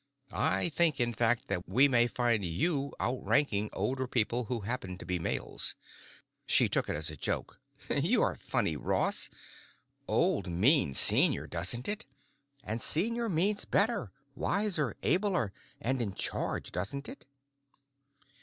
I think, in fact, that we may find you outranking older people who happen to be males." She took it as a joke. "You are funny, Ross. Old means Senior, doesn't it? And Senior means better, wiser, abler, and in charge, doesn't it?"